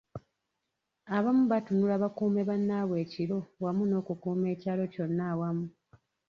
Abamu batunula bakuume bannaabwe ekiro wamu n’okukuuma ekyalo kyonna awamu.